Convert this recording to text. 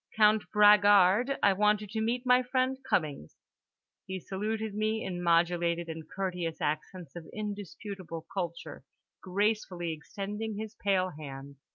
"Count Bragard, I want you to meet my friend Cummings"—he saluted me in modulated and courteous accents of indisputable culture, gracefully extending his pale hand.